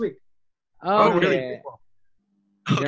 mlb akan mulai minggu depan